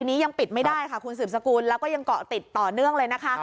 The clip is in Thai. วันนี้ยังปิดไม่ได้ค่ะคุณสืบสกุลแล้วก็ยังเกาะติดต่อเนื่องเลยนะคะ